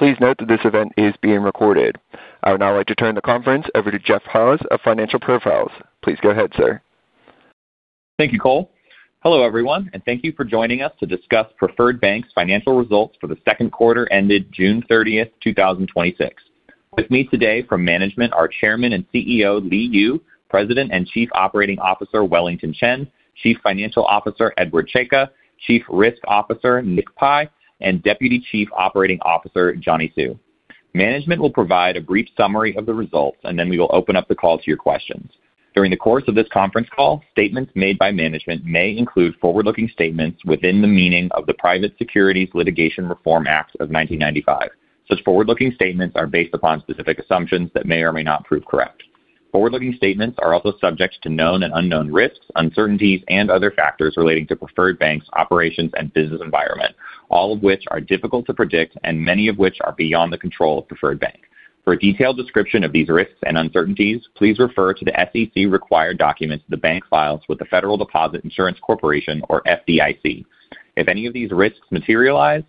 Please note that this event is being recorded. I would now like to turn the conference over to Jeff Haas of Financial Profiles. Please go ahead, sir. Thank you, Cole. Hello, everyone, thank you for joining us to discuss Preferred Bank's financial results for the second quarter ended June 30th, 2026. With me today from management are Chairman and CEO Li Yu, President and Chief Operating Officer Wellington Chen, Chief Financial Officer Edward Czajka, Chief Risk Officer Nick Pi, and Deputy Chief Operating Officer Johnny Hsu. Management will provide a brief summary of the results, then we will open up the call to your questions. During the course of this conference call, statements made by management may include forward-looking statements within the meaning of the Private Securities Litigation Reform Act of 1995. Such forward-looking statements are based upon specific assumptions that may or may not prove correct. Forward-looking statements are also subject to known and unknown risks, uncertainties, and other factors relating to Preferred Bank's operations and business environment, all of which are difficult to predict and many of which are beyond the control of Preferred Bank. For a detailed description of these risks and uncertainties, please refer to the SEC required documents the Bank files with the Federal Deposit Insurance Corporation, or FDIC. If any of these risks materialize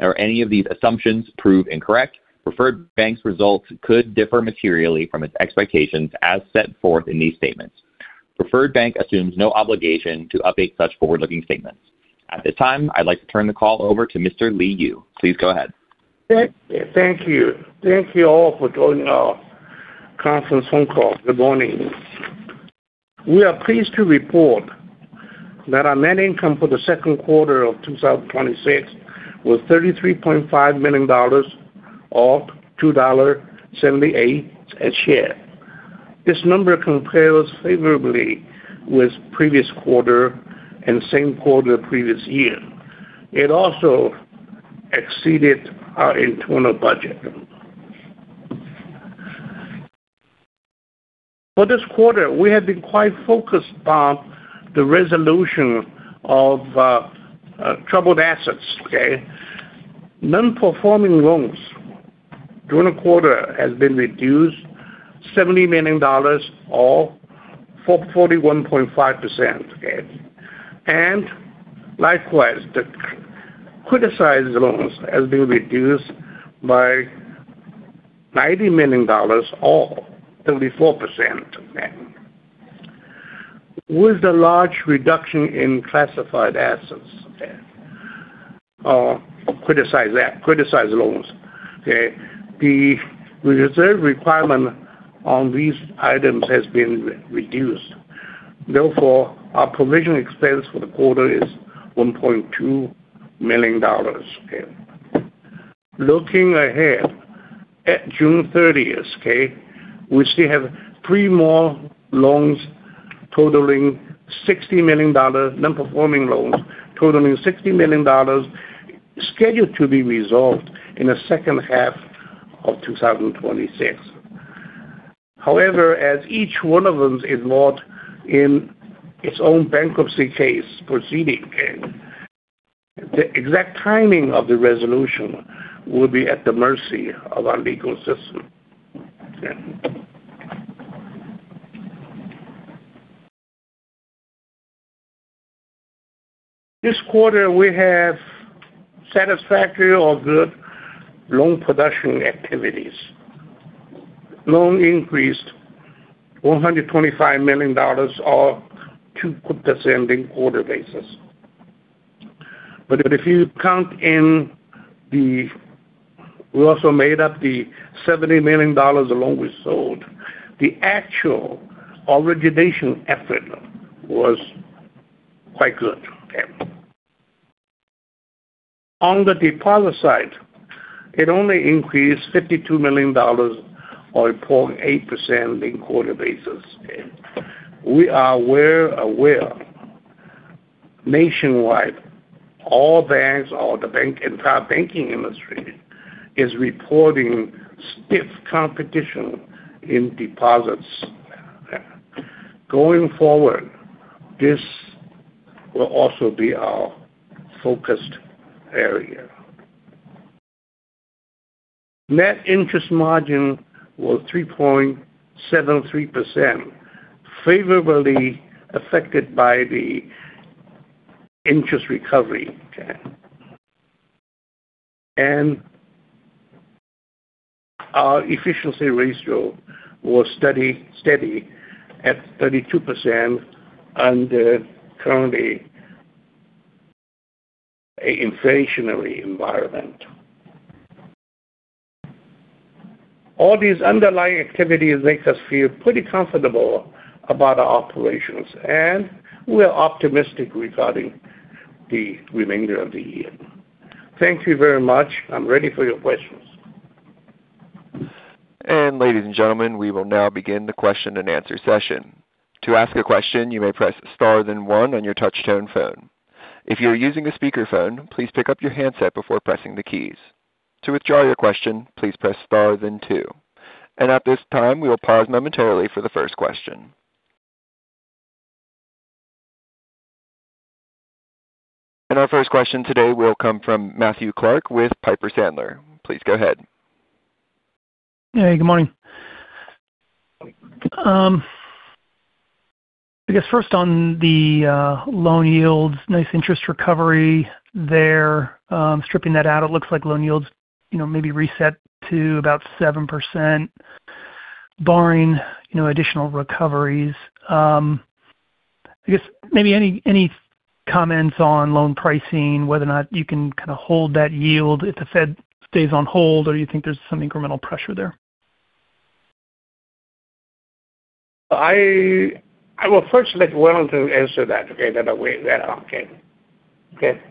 or any of these assumptions prove incorrect, Preferred Bank's results could differ materially from its expectations as set forth in these statements. Preferred Bank assumes no obligation to update such forward-looking statements. At this time, I'd like to turn the call over to Mr. Li Yu. Please go ahead. Thank you. Thank you all for joining our conference phone call. Good morning. We are pleased to report that our net income for the second quarter of 2026 was $33.5 million, or $2.78 a share. This number compares favorably with the previous quarter and same quarter previous year. It also exceeded our internal budget. For this quarter, we have been quite focused on the resolution of troubled assets. Non-performing loans during the quarter has been reduced $70 million, or 41.5%. Likewise, the criticized loans has been reduced by $90 million, or 34%. With the large reduction in classified assets, or criticized loans, the reserve requirement on these items has been reduced. Therefore, our provision expense for the quarter is $1.2 million. Looking ahead at June 30th, we still have three more non-performing loans totaling $60 million scheduled to be resolved in the second half of 2026. However, as each one of them is involved in its own bankruptcy case proceeding, the exact timing of the resolution will be at the mercy of our legal system. This quarter, we have satisfactory or good loan production activities. Loan increased $125 million, or 2% in quarter basis. If you count in We also made up the $70 million loan we sold. The actual origination effort was quite good. On the deposit side, it only increased $52 million, or 4.8% in quarter basis. We are well aware nationwide, all banks or the entire banking industry is reporting stiff competition in deposits. Going forward, this will also be our focused area. Net interest margin was 3.73%, favorably affected by the interest recovery. Our efficiency ratio was steady at 32% under currently inflationary environment. All these underlying activities make us feel pretty comfortable about our operations, and we're optimistic regarding the remainder of the year. Thank you very much. I'm ready for your questions. Ladies and gentlemen, we will now begin the question-and-answer session. To ask a question, you may press star then one on your touchtone phone. If you are using a speakerphone, please pick up your handset before pressing the keys. To withdraw your question, please press star then two. At this time, we will pause momentarily for the first question. Our first question today will come from Matthew Clark with Piper Sandler. Please go ahead. Hey, good morning. I guess first on the loan yields, nice interest recovery there. Stripping that out, it looks like loan yields maybe reset to about 7%, barring additional recoveries. I guess, maybe any comments on loan pricing, whether or not you can kind of hold that yield if the Fed stays on hold, or you think there's some incremental pressure there? I will first let Wellington answer that, okay? I weigh that on. Okay.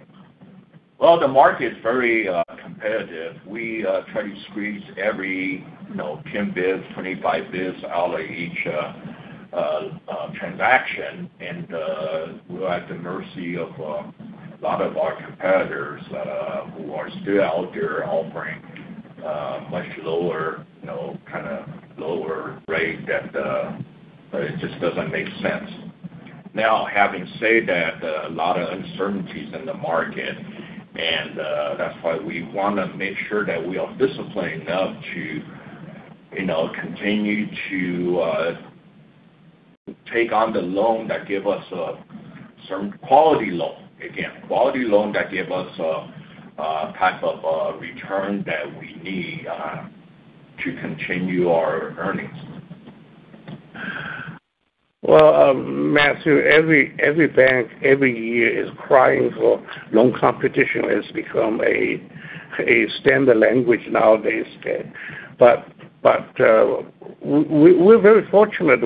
Well, the market is very competitive. We try to squeeze every 10 basis points, 25 basis points out of each transaction. We're at the mercy of a lot of our competitors who are still out there offering much lower rate that it just doesn't make sense. Having said that, a lot of uncertainties in the market, that's why we want to make sure that we are disciplined enough to continue to take on the loan that give us a certain quality loan. Again, quality loan that give us a type of return that we need to continue our earnings. Well, Matthew, every bank every year is crying for loan competition. It's become a standard language nowadays. We're very fortunate.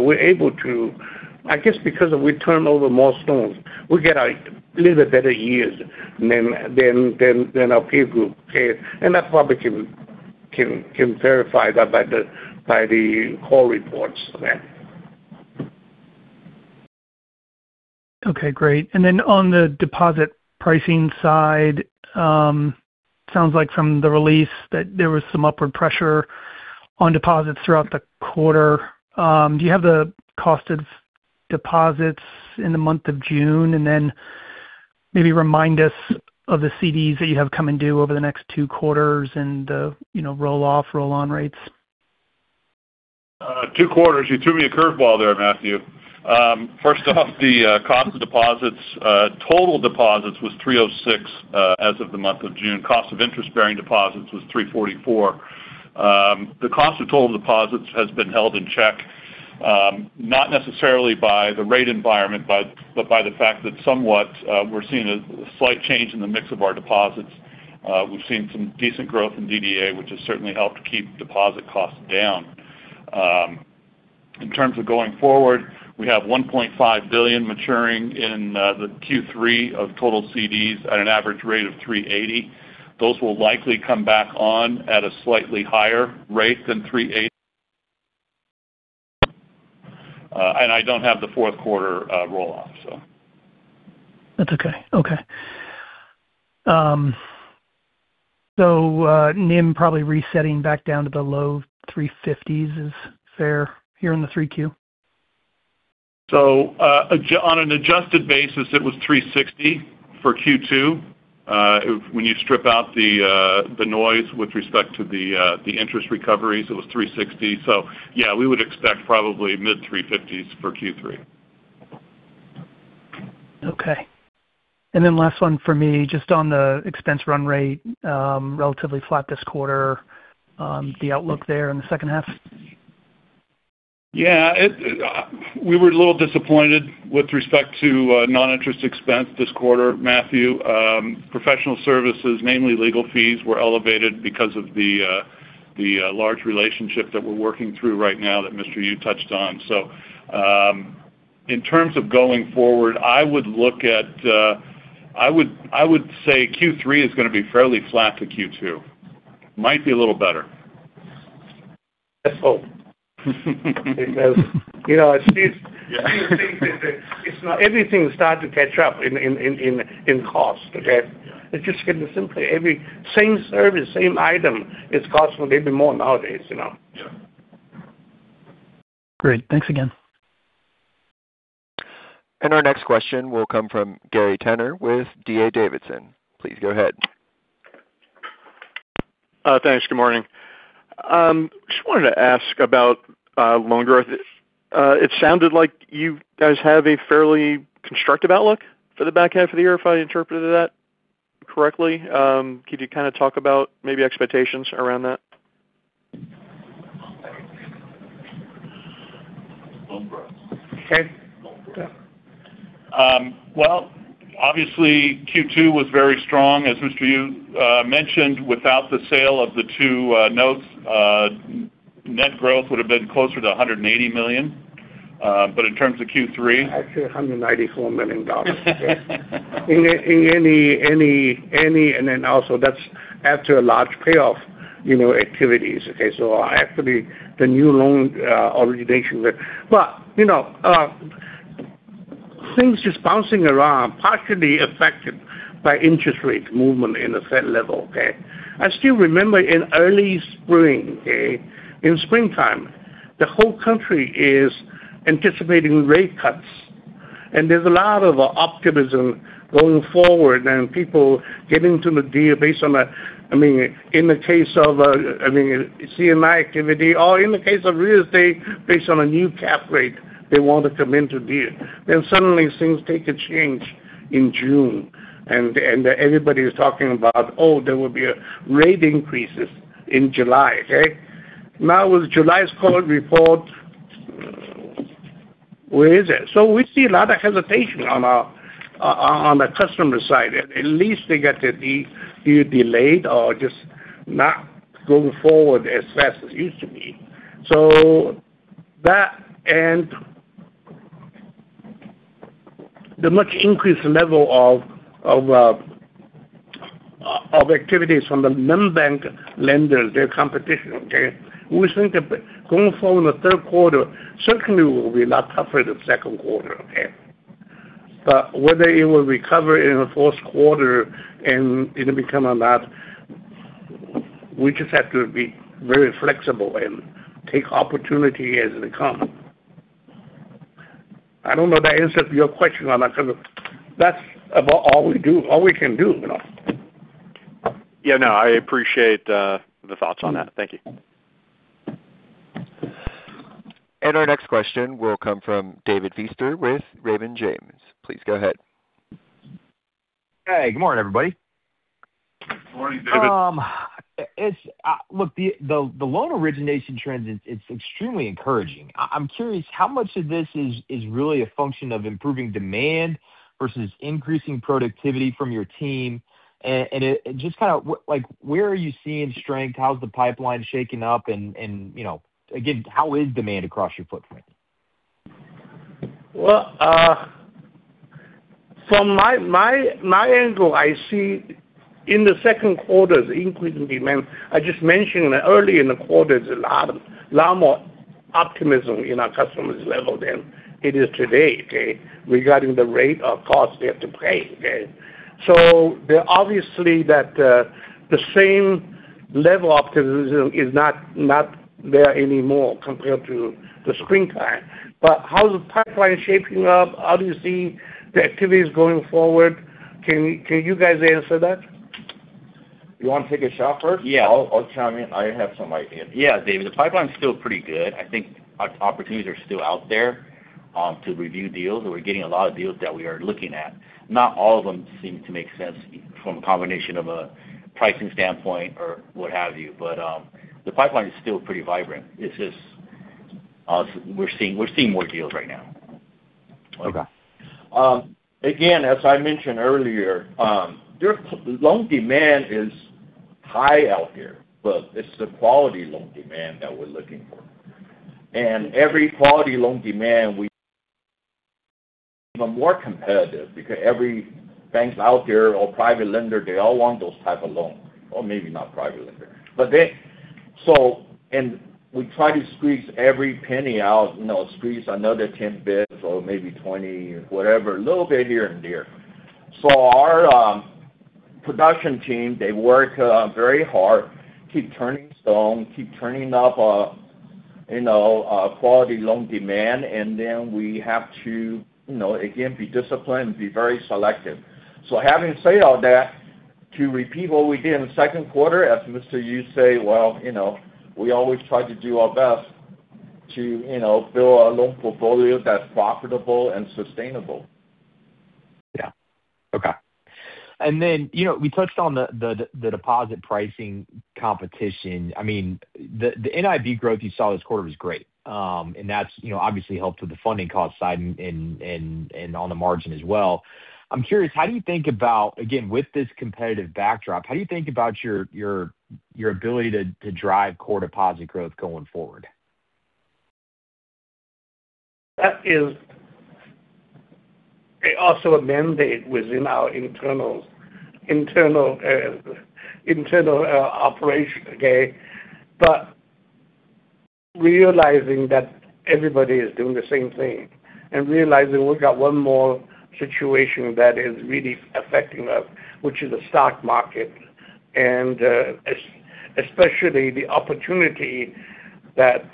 I guess because we turn over more stones. We get a little better yields than our peer group. That probably can verify that by the call reports there. Okay, great. On the deposit pricing side, sounds like from the release that there was some upward pressure on deposits throughout the quarter. Do you have the cost of deposits in the month of June? Maybe remind us of the CDs that you have coming due over the next two quarters and the roll off, roll on rates. Two quarters. You threw me a curve ball there, Matthew. First off, the cost of deposits. Total deposits was 306 as of the month of June. Cost of interest-bearing deposits was 344. The cost of total deposits has been held in check not necessarily by the rate environment, but by the fact that somewhat we're seeing a slight change in the mix of our deposits. We've seen some decent growth in DDA, which has certainly helped keep deposit costs down. In terms of going forward, we have $1.5 billion maturing in the Q3 of total CDs at an average rate of 380. Those will likely come back on at a slightly higher rate than 380. I don't have the fourth quarter roll off. That's okay. Okay. NIM probably resetting back down to the low 350s is fair here in the 3Q? On an adjusted basis, it was 360 for Q2. When you strip out the noise with respect to the interest recoveries, it was 360. Yeah, we would expect probably mid 350s for Q3. Okay. Last one for me, just on the expense run rate. Relatively flat this quarter. The outlook there in the second half. Yeah. We were a little disappointed with respect to non-interest expense this quarter, Matthew. Professional services, mainly legal fees, were elevated because of the large relationship that we're working through right now that Mr. Yu touched on. In terms of going forward, I would say Q3 is going to be fairly flat to Q2. Might be a little better. Let's hope. These things, everything start to catch up in cost, okay? It's just getting simply every same service, same item is costing maybe more nowadays. Great. Thanks again. Our next question will come from Gary Tenner with D.A. Davidson. Please go ahead. Thanks. Good morning. Just wanted to ask about loan growth. It sounded like you guys have a fairly constructive outlook for the back half of the year, if I interpreted that correctly. Could you kind of talk about maybe expectations around that? Well, obviously Q2 was very strong. As Mr. Yu mentioned, without the sale of the two notes, net growth would have been closer to $180 million. Actually $194 million. That's after a large payoff activities. Actually the new loan origination rate, things just bouncing around, partially affected by interest rates movement in the Fed level, okay? I still remember in early spring, in springtime, the whole country is anticipating rate cuts. There's a lot of optimism going forward and people getting to the deal based on, in the case of C&I activity or in the case of real estate, based on a new cap rate, they want to come into deal. Suddenly things take a change in June, and everybody is talking about, oh, there will be rate increases in July. With July's call report, where is it? We see a lot of hesitation on the customer side. At least they get the deal delayed or just not going forward as fast as it used to be. That, and the much increased level of activities from the non-bank lenders, their competition, we think that going forward in the third quarter certainly will be a lot tougher than second quarter. Whether it will recover in the fourth quarter and it will become a lot, we just have to be very flexible and take opportunity as it comes. I don't know if that answered your question or not because that's about all we can do. Yeah, no, I appreciate the thoughts on that. Thank you. Our next question will come from David Feaster with Raymond James. Please go ahead. Hey, good morning, everybody. Good morning, David. Look, the loan origination trend, it's extremely encouraging. I'm curious, how much of this is really a function of improving demand versus increasing productivity from your team? Just kind of where are you seeing strength? How's the pipeline shaping up? Again, how is demand across your footprint? Well, from my angle, I see in the second quarter the increase in demand. I just mentioned early in the quarter, there's a lot more optimism in our customers level than it is today regarding the rate of cost they have to pay. Obviously the same level of optimism is not there anymore compared to the springtime. How is the pipeline shaping up? How do you see the activities going forward? Can you guys answer that? You want to take a shot first? Yeah. I'll chime in. I have some ideas. David, the pipeline's still pretty good. I think opportunities are still out there to review deals, and we're getting a lot of deals that we are looking at. Not all of them seem to make sense from a combination of a pricing standpoint or what have you. The pipeline is still pretty vibrant. It's just we're seeing more deals right now. Okay. As I mentioned earlier, loan demand is high out there, but it's the quality loan demand that we're looking for. Every quality loan demand, we are more competitive because every bank out there or private lender, they all want those type of loans, or maybe not private lender. We try to squeeze every penny out, squeeze another 10 basis points or maybe 20 basis points, whatever, a little bit here and there. Our production team, they work very hard, keep turning stone, keep turning up quality loan demand, and then we have to, again, be disciplined, be very selective. Having said all that, to repeat what we did in the second quarter, as Mr. Yu say, well, we always try to do our best to build a loan portfolio that's profitable and sustainable. Okay. We touched on the deposit pricing competition. The NII growth you saw this quarter was great, and that obviously helped with the funding cost side and on the margin as well. I'm curious, how do you think about, again, with this competitive backdrop, how do you think about your ability to drive core deposit growth going forward? That is also a mandate within our internal operation. Realizing that everybody is doing the same thing and realizing we've got one more situation that is really affecting us, which is the stock market, and especially the opportunity that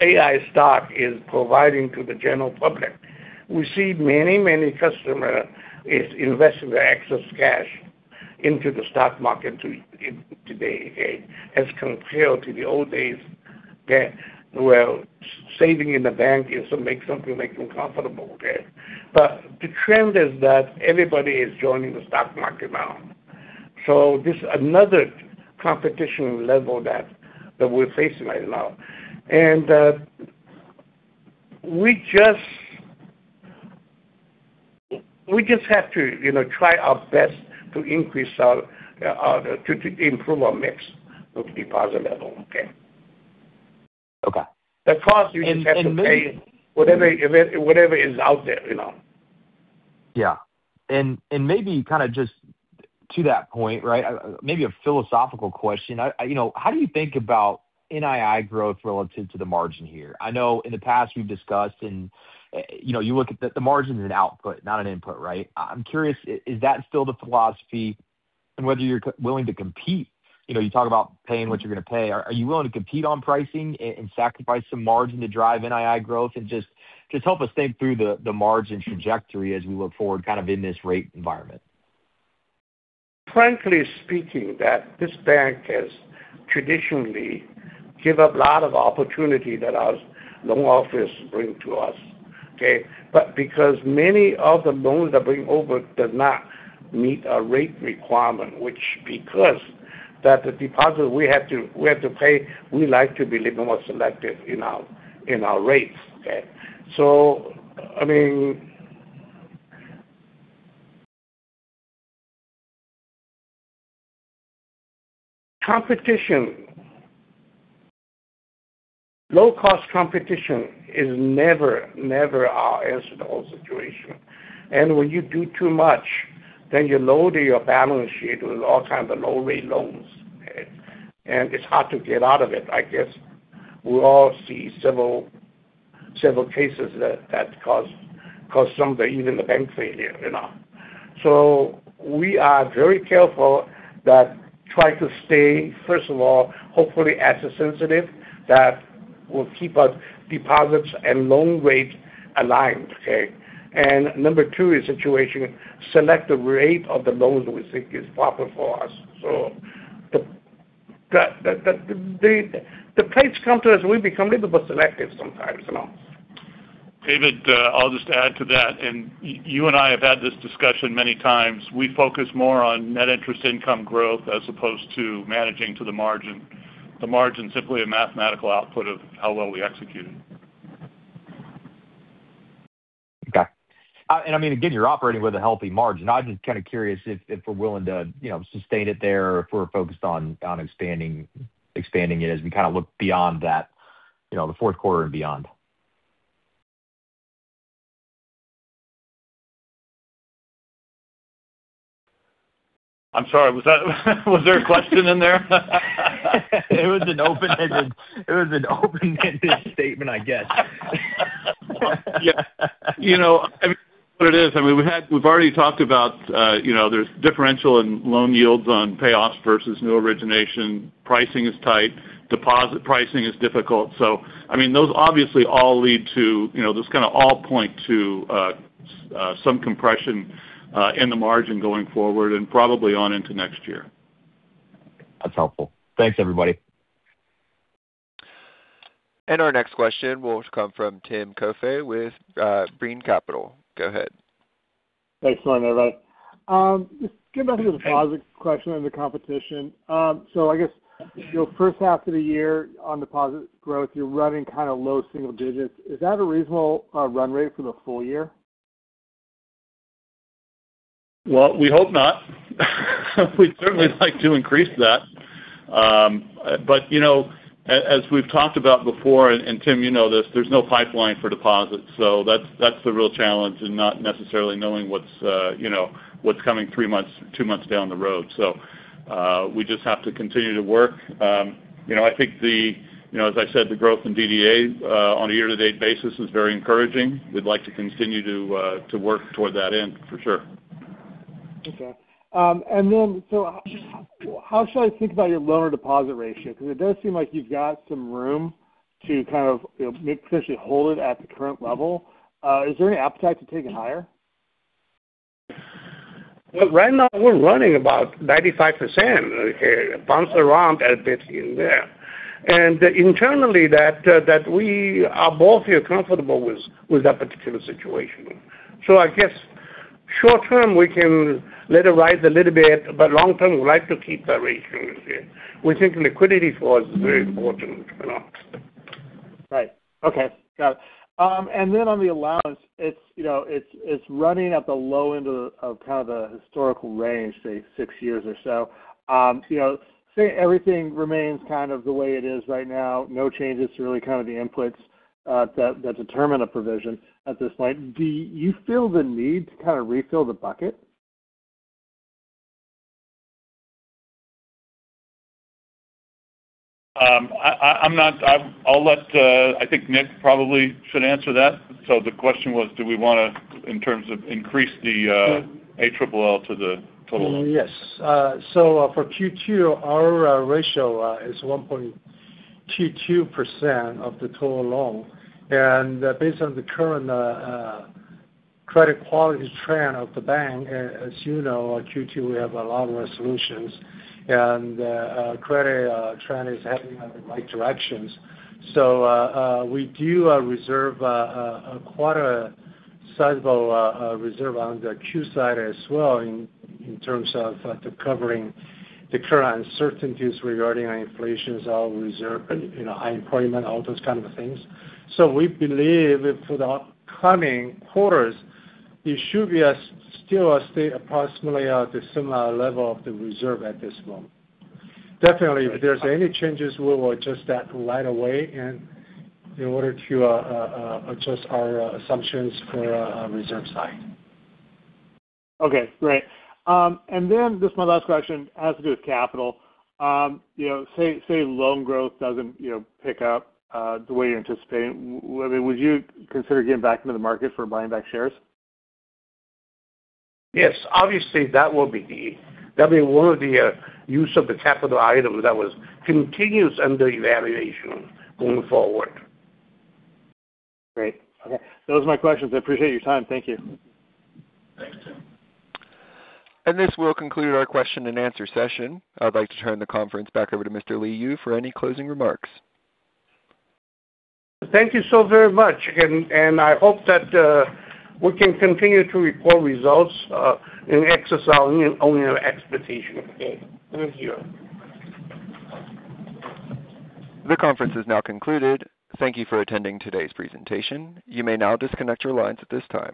AI stock is providing to the general public. We see many customer is investing their excess cash into the stock market today as compared to the old days, where saving in the bank used to make something make them comfortable. The trend is that everybody is joining the stock market now. This is another competition level that we're facing right now. We just have to try our best to improve our mix of deposit level. Okay. The cost you just have to pay whatever is out there. Yeah. Maybe kind of just to that point, maybe a philosophical question. How do you think about NII growth relative to the margin here? I know in the past you've discussed and you look at the margin is an output, not an input, right? I'm curious, is that still the philosophy? Whether you're willing to compete. You talk about paying what you're going to pay. Are you willing to compete on pricing and sacrifice some margin to drive NII growth? Just help us think through the margin trajectory as we look forward kind of in this rate environment. Frankly speaking, that this bank has traditionally give up a lot of opportunity that our loan office bring to us, okay? Because many of the loans that bring over does not meet a rate requirement, which because that the deposit we have to pay, we like to be little more selective in our rates, okay? I mean Competition, low cost competition is never our answer to all situation. When you do too much, then you load your balance sheet with all kinds of low rate loans, okay? It's hard to get out of it. I guess we all see several cases that cause some of the, even the bank failure. We are very careful that try to stay, first of all, hopefully asset sensitive, that will keep us deposits and loan rates aligned, okay? Number two is situation, select the rate of the loans we think is proper for us. The price come to us, we become little bit selective sometimes. David, I'll just add to that. You and I have had this discussion many times. We focus more on net interest income growth as opposed to managing to the margin. The margin's simply a mathematical output of how well we executed. Okay. Again, you're operating with a healthy margin. I'm just kind of curious if we're willing to sustain it there, if we're focused on expanding it as we kind of look beyond that, the fourth quarter and beyond. I'm sorry, was there a question in there? It was an open-ended statement, I guess. Yeah. I mean, what it is, we've already talked about there's differential in loan yields on payoffs versus new origination. Pricing is tight. Deposit pricing is difficult. Those obviously all lead to, those kind of all point to some compression in the margin going forward, and probably on into next year. That's helpful. Thanks, everybody. Our next question will come from Tim Coffey with Brean Capital. Go ahead. Thanks. Morning, everybody. Just getting back to the deposit question and the competition. I guess your first half of the year on deposit growth, you're running kind of low single digits. Is that a reasonable run rate for the full-year? We hope not. We'd certainly like to increase that. As we've talked about before, and Tim, you know this, there's no pipeline for deposits. That's the real challenge in not necessarily knowing what's coming three months, two months down the road. We just have to continue to work. I think the, as I said, the growth in DDA, on a year-to-date basis is very encouraging. We'd like to continue to work toward that end, for sure. Okay. How should I think about your loan or deposit ratio? Because it does seem like you've got some room to kind of potentially hold it at the current level. Is there any appetite to take it higher? Well, right now we're running about 95%, okay? It bounce around a bit in there. Internally that we are both feel comfortable with that particular situation. I guess short-term, we can let it rise a little bit, long-term, we like to keep that ratio. We think liquidity for us is very important. Right. Okay. Got it. On the allowance, it's running at the low end of kind of the historical range, say six years or so. Say everything remains kind of the way it is right now. No changes to really kind of the inputs that determine a provision at this point. Do you feel the need to kind of refill the bucket? I think Nick probably should answer that. The question was, do we want to, in terms of ALL to the total loan? Yes. For Q2, our ratio is 1.22% of the total loan. Based on the current credit quality trend of the bank, as you know, Q2, we have a lot of resolutions. Credit trend is heading in the right directions. We do reserve quite a sizable reserve on the Q side as well in terms of the covering the current uncertainties regarding our inflation reserve, high employment, all those kind of things. We believe for the upcoming quarters, it should be still stay approximately at the similar level of the reserve at this moment. Definitely, if there's any changes, we will adjust that right away in order to adjust our assumptions for our reserve side. Okay. Great. Then just my last question has to do with capital. Say loan growth doesn't pick up the way you're anticipating. Would you consider getting back into the market for buying back shares? Yes. Obviously, that would be one of the use of the capital items that was continuous under evaluation going forward. Great. Okay. Those are my questions. I appreciate your time. Thank you. Thank you, Tim. This will conclude our question-and-answer session. I'd like to turn the conference back over to Mr. Li Yu for any closing remarks. Thank you so very much. I hope that we can continue to report results and exceed only our expectation, okay? Thank you. The conference is now concluded. Thank you for attending today's presentation. You may now disconnect your lines at this time.